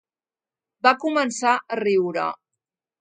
Va començar a riure.